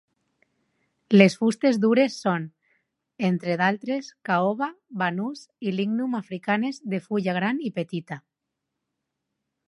Les fustes dures són, entre d'altres, caoba, banús i lignum africanes de fulla gran i petita.